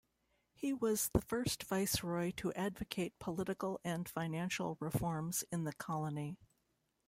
He was the first viceroy to advocate political and financial reforms in the colony.